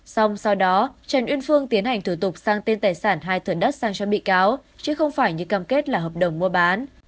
xong sau đó trần uyên phương tiến hành thủ tục sang tên tài sản hai thửa đất sang cho bị cáo chứ không phải như cam kết là hợp đồng mua bán